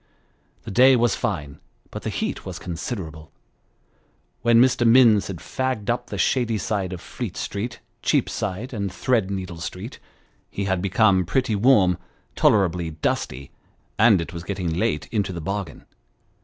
The day was fine, but the heat was considerable ; when Mr. Minns had fagged up the shady side of Fleet Street, Cheapside, and Thread needle Street, he had become pretty warm, tolerably dusty, and it was getting late into the bargain.